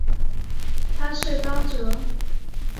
他是刚铎。